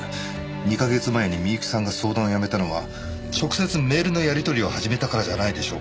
２カ月前に美由紀さんが相談をやめたのは直接メールのやり取りを始めたからじゃないでしょうか。